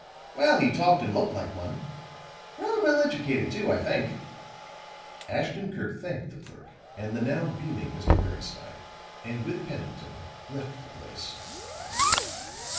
"Well, he talked and looked like one. Rather well educated too, I think." Ashton Kirk thanked the clerk, and the now beaming Mr. Bernstine, and with Pendleton left the place.